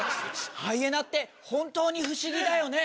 ハイエナって本当に不思議だよね。